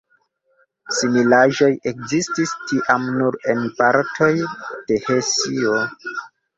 Similaĵoj ekzistis tiam nur en partoj de Hesio.